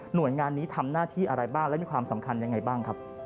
โดยงานนี้ทำหน้าที่อะไรบ้างและมีความสำคัญยังไงบ้างครับ